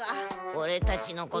オレたちのこと。